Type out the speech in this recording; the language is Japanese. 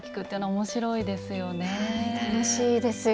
楽しいですよねえ。